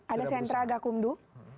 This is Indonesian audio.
ada sentra gakumdu